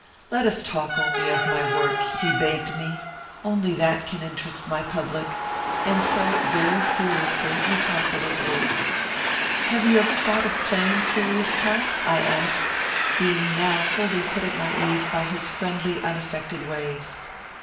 "'Let us talk only of my work,' he begged me. 'Only that can interest my public.' And so, very seriously, we talked of his work. "'Have you ever thought of playing serious parts?' I asked, being now wholly put at my ease by his friendly, unaffected ways.